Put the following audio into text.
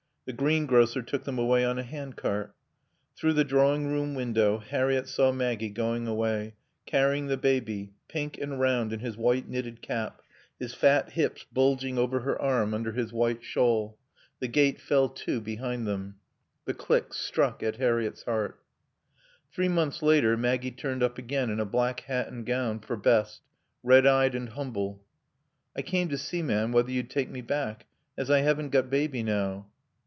The greengrocer took them away on a handcart. Through the drawing room window Harriett saw Maggie going away, carrying the baby, pink and round in his white knitted cap, his fat hips bulging over her arm under his white shawl. The gate fell to behind them. The click struck at Harriett's heart. Three months later Maggie turned up again in a black hat and gown for best, red eyed and humble. "I came to see, ma'am, whether you'd take me back, as I 'aven't got Baby now."